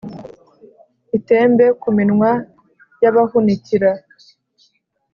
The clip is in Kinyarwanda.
itembe ku minwa y’abahunikira.